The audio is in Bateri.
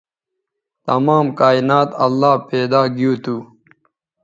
تمام کائنات اللہ پیدا گیو تھو